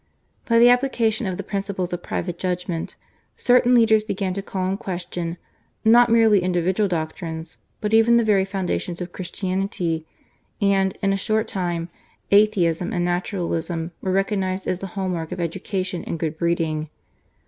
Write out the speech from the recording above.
By the application of the principle of private judgment, certain leaders began to call in question, not merely individual doctrines, but even the very foundations of Christianity, and, in a short time, Atheism and Naturalism were recognised as the hall mark of education and good breeding.